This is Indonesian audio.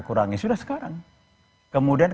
kurangi sudah sekarang kemudian